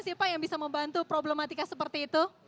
apa sih pak yang bisa membantu problematika seperti itu